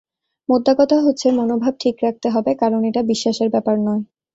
মোদ্দা কথা হচ্ছে, মনোভাব ঠিক রাখতে হবে, কারণ এটা বিশ্বাসের ব্যাপার নয়।